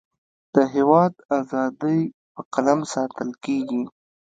د هیواد اذادی په قلم ساتلکیږی